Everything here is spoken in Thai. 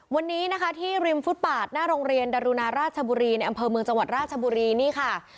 วันนี้นะคะที่ริมฟุตปาดหน้าโรงเรียนดรุณาราชบุรีในอำเภอเมืองจังหวัดราชบุรีนี่ค่ะ